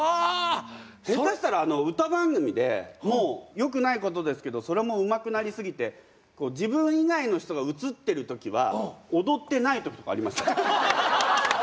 下手したら歌番組でもよくないことですけどそれもうまくなりすぎて自分以外の人が映ってる時は踊ってない時とかありました。